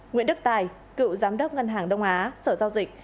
nguyễn đức tài cựu giám đốc ngân hàng đông á sở giao dịch